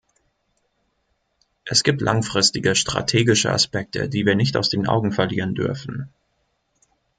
Es gibt langfristige strategische Aspekte, die wir nicht aus den Augen verlieren dürfen.